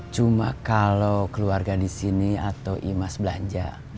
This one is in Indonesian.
cuma kalau keluarga di sini atau imas belanja